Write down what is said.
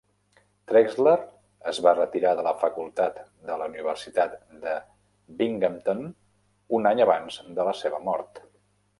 Trexler es va retirar de la facultat de la Universitat de Binghamton un any abans de la seva mort.